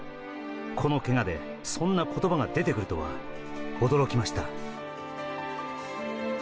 このけがでそんな言葉が出てくるとは驚きました。